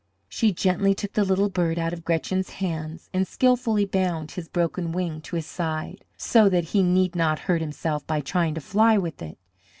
She gently took the little bird out of Gretchen's hands, and skilfully bound his broken wing to his side, so that he need not hurt himself by trying to fly with it.